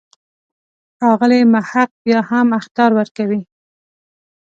ښاغلی محق بیا هم اخطار ورکوي.